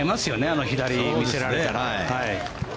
あの左を見せられたら。